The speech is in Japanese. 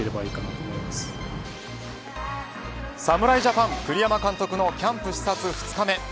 侍ジャパン栗山監督のキャンプ視察２日目。